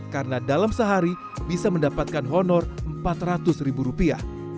karena dalam sehari bisa mendapatkan honor empat ratus ribu rupiah